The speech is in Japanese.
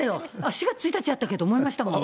４月１日やったっけ？って思いましたもん。